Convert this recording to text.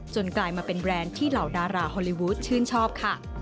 กลายมาเป็นแบรนด์ที่เหล่าดาราฮอลลีวูดชื่นชอบค่ะ